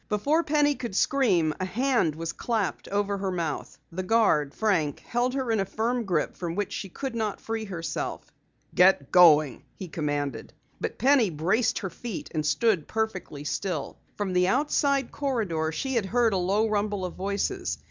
Before Penny could scream, a hand was clapped over her mouth. The guard, Frank, held her in a firm grip from which she could not free herself. "Get going!" he commanded. But Penny braced her feet and stood perfectly still. From the outside corridor she had heard a low rumble of voices.